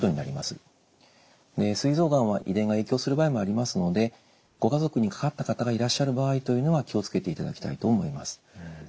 すい臓がんは遺伝が影響する場合もありますのでご家族にかかった方がいらっしゃる場合というのは気を付けていただきたいと思います。